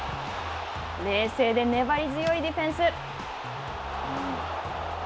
冷静で粘り強いディフェンス。